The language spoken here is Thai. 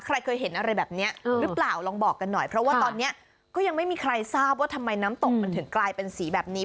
ใครเคยเห็นอะไรแบบนี้หรือเปล่าลองบอกกันหน่อยเพราะว่าตอนนี้ก็ยังไม่มีใครทราบว่าทำไมน้ำตกมันถึงกลายเป็นสีแบบนี้